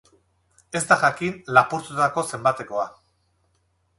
Ez da jakin lapurtutako zenbatekoa.